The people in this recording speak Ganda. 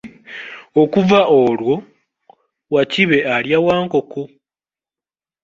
Okuva olwo, Wakibe alya Wankoko.